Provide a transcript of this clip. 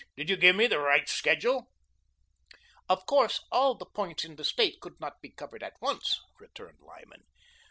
Did you give me the right schedule?" "Of course, ALL the points in the State could not be covered at once," returned Lyman.